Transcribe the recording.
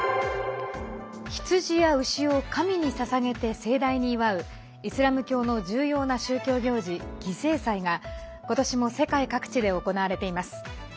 羊や牛を神にささげて盛大に祝うイスラム教の重要な宗教行事犠牲祭が今年も世界各地で行われています。